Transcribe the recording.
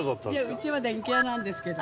うちは電気屋なんですけど。